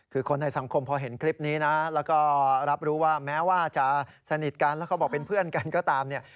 คือคนในสังคมพอเห็นคลิปนี้นะแล้วก็รับรู้ว่าแม้ว่าจะสนิทกันแล้วเขาบอกเป็นเพื่อนกันก็ตามเนี่ย